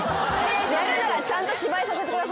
やるならちゃんと芝居させてください。